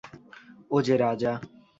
ও যে রাজা!